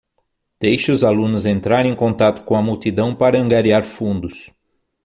Deixe os alunos entrarem em contato com a multidão para angariar fundos